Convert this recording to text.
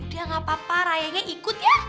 udah nggak apa apa rayanya ikut ya